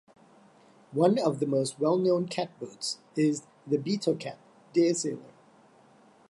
One of the most well-known catboats is the Beetle Cat daysailer.